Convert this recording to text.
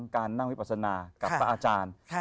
การนั่งวิปัสนากับพระอาจารย์